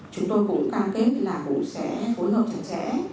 chúng tôi cũng cam kết là cũng sẽ phối hợp chặt chẽ